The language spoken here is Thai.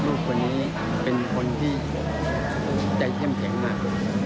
ลูกคนนี้เป็นคนที่ใจเข้มแข็งมาก